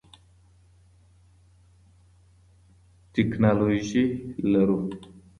ټکنالوژي لرو.